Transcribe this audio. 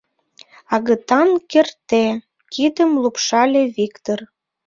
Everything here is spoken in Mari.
— Агытан керте, — кидым лупшале Виктыр.